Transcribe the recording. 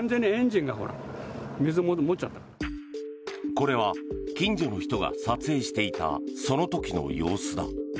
これは近所の人が撮影していたその時の様子だ。